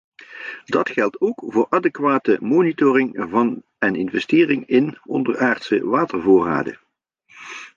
Dat geldt ook voor adequate monitoring van en investeringen in onderaardse watervoorraden.